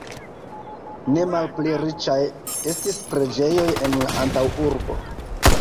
Ne malpli riĉaj estis preĝejoj en la antaŭurbo.